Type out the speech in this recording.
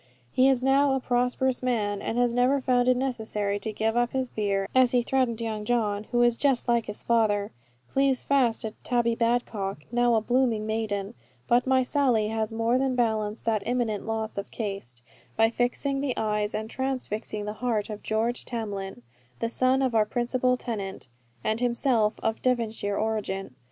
He is now a prosperous man; and has never found it necessary to give up his beer, as he threatened Young John, who is just like his father, cleaves fast to Tabby Badcock, now a blooming maiden; but my Sally has more than balanced that imminent loss of caste, by fixing the eyes and transfixing the heart of George Tamlin, the son of our principal tenant, and himself of Devonshire origin.